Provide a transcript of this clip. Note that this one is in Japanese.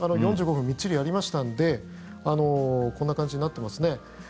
４５分みっちりやりましたのでこんな感じになってますね。